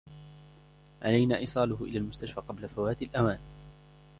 علينا إيصاله إلى المستشفى قبل فوات الأوان.